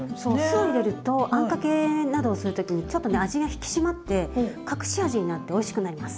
酢を入れるとあんかけなどをする時にちょっとね味が引き締まって隠し味になっておいしくなります。